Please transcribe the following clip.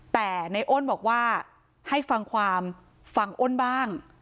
แต่ในอ้นบอกว่าให้ฟังความฟังอ้นบ้าง